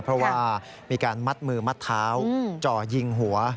เพราะว่ามีการมัดมือมัดเท้าจ่อยิงหัว